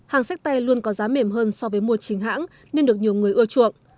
hàng sách tay luôn có giá mềm hơn so với mua chính hãng nên được nhiều người ưa chuộng